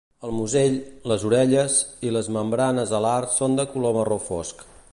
El musell, les orelles i les membranes alars són de color marró fosc.